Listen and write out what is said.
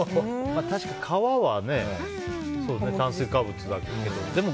確かに皮は炭水化物だけども。